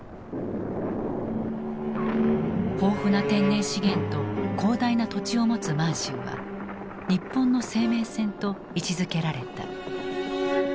豊富な天然資源と広大な土地を持つ満州は「日本の生命線」と位置づけられた。